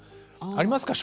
ありますか？